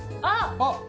あっ。